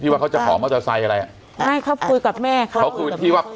ว่าเขาจะขอมอเตอร์ไซค์อะไรอ่ะไม่เขาคุยกับแม่เขาเขาคุยที่ว่า